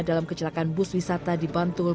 dalam kecelakaan bus wisata di bantul